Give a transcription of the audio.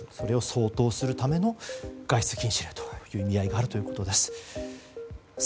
それを掃討するための外出禁止令の意味合いがあるということです。